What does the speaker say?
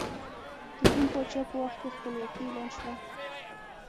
د کوم پاچا په وخت کې خپلواکي اعلان شوه؟